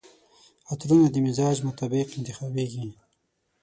عطرونه د مزاج مطابق انتخابیږي.